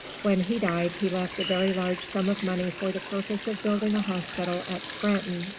When he died he left a very large sum of money for the purpose of building a hospital at Scranton.